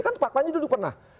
kan pak tanya dulu pernah